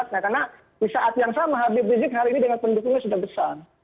nah karena di saat yang sama habib rizik hari ini dengan pendukungnya sudah besar